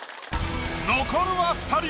残るは二人！